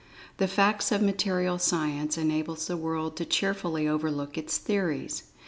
The facts of Material Science enables the world to cheerfully overlook its theories.